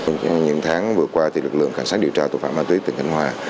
nhiều tháng vừa qua lực lượng khả sát điều tra tội phạm ma túy tỉnh khánh hòa